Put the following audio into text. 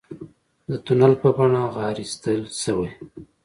د تونل په بڼه غارې ایستل شوي.